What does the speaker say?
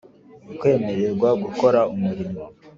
Kwemererwa gukora umurimo